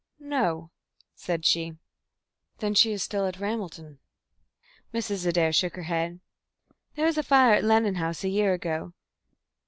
"No," said she. "Then she is still at Ramelton?" Mrs. Adair shook her head. "There was a fire at Lennon House a year ago.